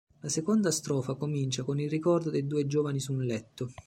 La seconda strofa comincia con il ricordo dei due giovani su un letto.